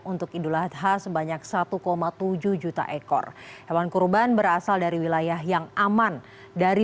untuk idul adha sebanyak satu tujuh juta ekor hewan kurban berasal dari wilayah yang aman dari